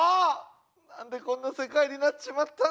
何でこんな世界になっちまったんだ」。